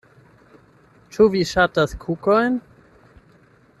Ĉu vi ŝatas kukojn?